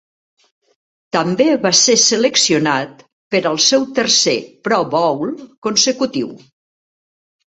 També va ser seleccionat per al seu tercer Pro Bowl consecutiu.